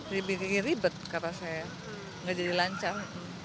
ribet kata saya gak jadi lancar